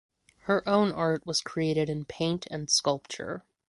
Her own art was created in paint and sculpture.